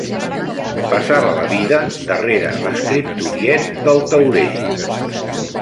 Passava la vida darrera l'escriptoriet del taulell